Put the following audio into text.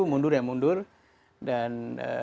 mundur ya mundur dan